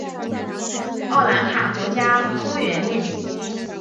奥兰卡国家公园面积。